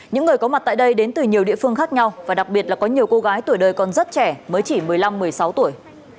những người có mặt tại đây đến từ nhiều địa phương khác nhau và đặc biệt là có nhiều cô gái tuổi đời còn rất trẻ mới chỉ một mươi năm một mươi sáu tuổi